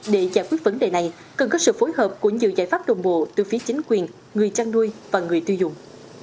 để giải quyết vấn đề này cần có sự phối hợp của nhiều giải pháp đồng bộ từ phía chính quyền người chăn nuôi và người tiêu dùng